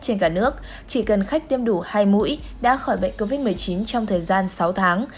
trong thời gian sáu tháng chỉ cần khách tiêm đủ hai mũi đã khỏi bệnh covid một mươi chín trong thời gian sáu tháng